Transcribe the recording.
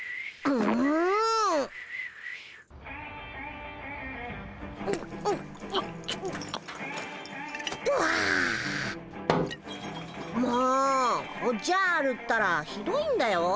もうおっじゃるったらひどいんだよ。